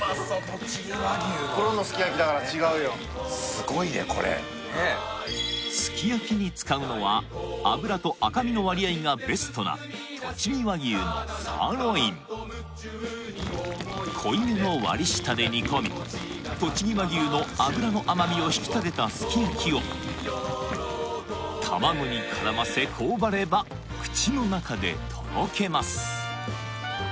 すごいねこれねっすき焼きに使うのは脂と赤身の割合がベストなとちぎ和牛のサーロイン濃いめの割り下で煮込みとちぎ和牛の脂の甘みを引き立てたすき焼きを卵に絡ませほおばれば口の中でとろけます